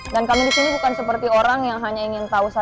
dan kami disini bukan seperti orang yang hanya ingin tahu saja